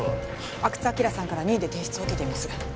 阿久津晃さんから任意で提出を受けています